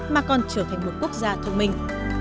mà còn trở thành một quốc gia thông minh